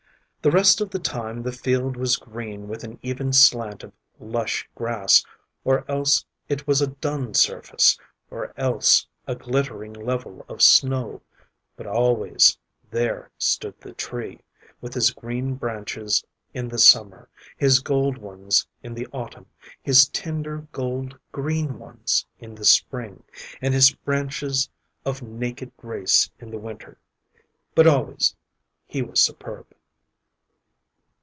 The rest of the time the field was green with an even slant of lush grass, or else it was a dun surface, or else a glittering level of snow, but always there stood the tree, with his green branches in the summer, his gold ones in the autumn, his tender gold green ones in the spring, and his branches of naked grace in the winter, but always he was superb.